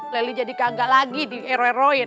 leli jadi kagak lagi di ero eroin